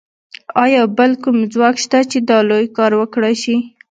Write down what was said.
ایا بل کوم ځواک شته چې دا لوی کار وکړای شي